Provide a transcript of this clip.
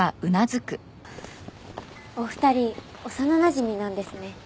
お二人幼なじみなんですね。